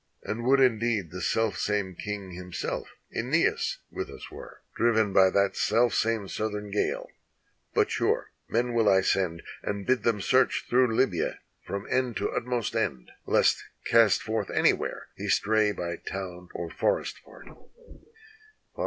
And would indeed the selfsame King himself, ^neas, with us were. Driven by that selfsame southern gale: but sure men will I send, And bid them search through Libya from end to utmost end, Lest, cast forth anywhere, he stray by town or forest part."